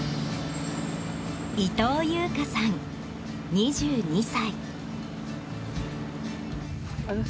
伊藤優花さん、２２歳。